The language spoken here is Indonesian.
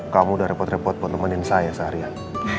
kamu udah repot repot buat nemenin saya seharian